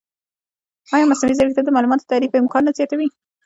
ایا مصنوعي ځیرکتیا د معلوماتو تحریف امکان نه زیاتوي؟